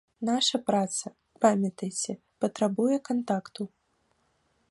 Наша праца, памятайце, патрабуе кантакту.